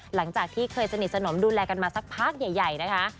หลังจากที่เคยสนิทสนมดูแลกันมาสักพักใหญ่นะคะ